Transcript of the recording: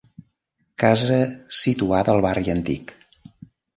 Casa situada al barri antic.